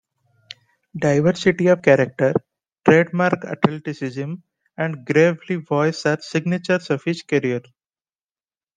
Diversity of character, trademark athleticism, and gravelly voice are signatures of his career.